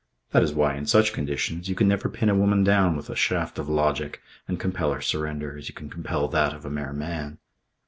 That is why, in such conditions, you can never pin a woman down with a shaft of logic and compel her surrender, as you can compel that of a mere man.